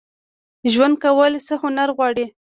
ژوند کول څه هنر غواړي؟